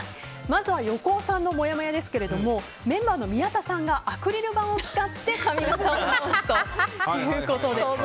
まずは横尾さんのもやもやですけどもメンバーの宮田さんがアクリル板を使って髪形を直すということで。